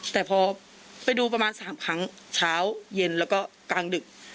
แต่พอไปดูประมาณ๓ครั้งเช้าเย็นแล้วก็กลางดึก